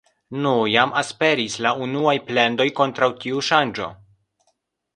Nu, jam aperis la unuaj plendoj kontraŭ tiu ŝanĝo...